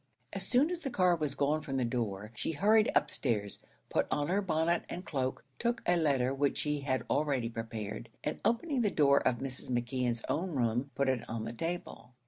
As soon as the car was gone from the door, she hurried up stairs, put on her bonnet and cloak, took a letter which she had already prepared, and opening the door of Mrs. McKeon's own room, put it on the table.